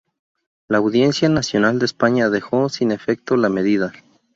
La Audiencia Nacional de España dejó sin efecto la medida.